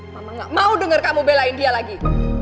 mama gak mau dengar kamu belain dia lagi